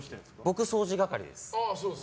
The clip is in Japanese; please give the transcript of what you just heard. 僕、掃除係です。